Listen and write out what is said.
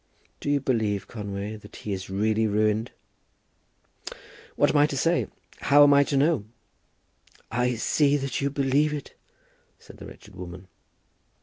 "Do you believe, Conway, that he is really ruined?" "What am I to say? How am I to know?" "I see that you believe it," said the wretched woman.